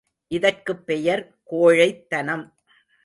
இதற்குப் பெயர் கோழைத்தனம்.